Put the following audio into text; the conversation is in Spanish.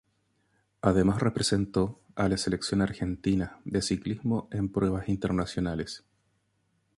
Además representó a la selección argentina de ciclismo en pruebas internacionales.